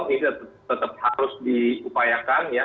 ini tetap harus diupayakan ya